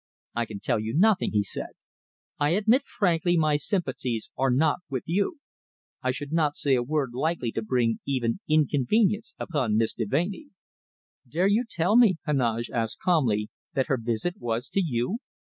"I can tell you nothing," he said. "I admit frankly my sympathies are not with you. I should not say a word likely to bring even inconvenience upon Miss Deveney." "Dare you tell me," Heneage asked calmly, "that her visit was to you?